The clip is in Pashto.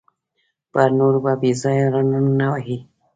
پر نورو به بېځایه هارنونه نه وهې.